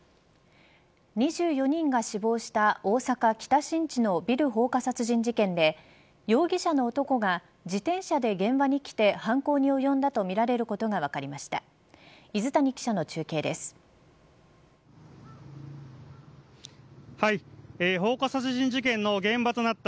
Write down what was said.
２４人が死亡した大阪北新地のビル放火殺人事件で容疑者の男が自転車で現場に来て犯行に及んだとみられることが分かりました。